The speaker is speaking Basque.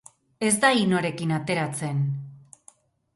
Ez da inorekin ateratzen.